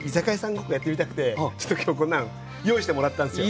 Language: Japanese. ごっこやってみたくてちょっと今日こんなん用意してもらったんすよ。